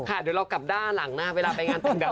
ค่ะเดี๋ยวเรากลับด้านหลังนะเวลาไปงานแต่งดาล่ะ